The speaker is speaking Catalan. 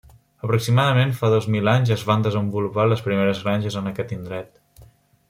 Aproximadament fa dos mil anys es van desenvolupar les primeres granges en aquest indret.